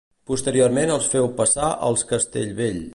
Posteriorment el feu passà als Castellvell.